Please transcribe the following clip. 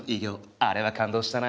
あれは感動したな。